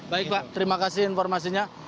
baik pak terima kasih informasinya